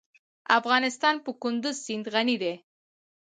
افغانستان په کندز سیند غني دی.